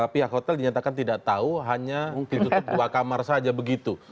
pihak hotel dinyatakan tidak tahu hanya ditutup dua kamar saja begitu